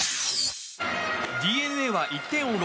ＤｅＮＡは１点を追う